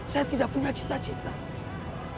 saya tidak punya cita cita